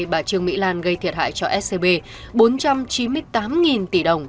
bà trương mỹ lan gây thiệt hại cho scb bốn trăm chín mươi tám tỷ đồng